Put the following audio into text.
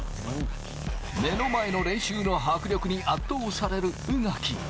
目の前の練習の迫力に圧倒される宇垣。